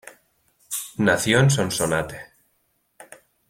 Nació en Sonsonate.